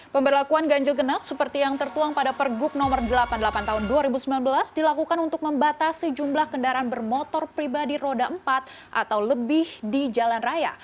pemberlakuan ganjil genap seperti yang tertuang pada pergub nomor delapan puluh delapan tahun dua ribu sembilan belas dilakukan untuk membatasi jumlah kendaraan bermotor pribadi roda empat atau lebih di jalan raya